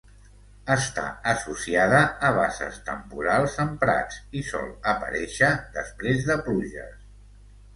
Està associada a basses temporals en prats i sol aparèixer després de pluges.